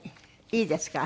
いいですか？